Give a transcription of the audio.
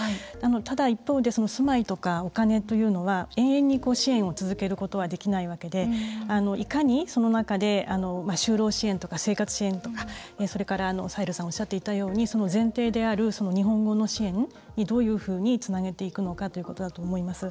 ただ一方で住まいとか、お金というのは永遠に支援を続けることはできないわけでいかに、その中で就労支援とか生活支援とかそれから、サヘルさんがおっしゃっていたように前提である日本語の支援にどういうふうにつなげていくのかということだと思います。